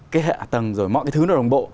cái hạ tầng rồi mọi cái thứ nó đồng bộ